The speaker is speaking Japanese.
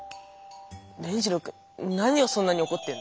伝じろうくん何をそんなにおこってるの？